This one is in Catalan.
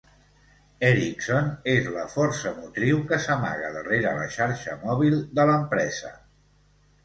Ericsson és la força motriu que s'amaga darrere la xarxa mòbil de l'empresa.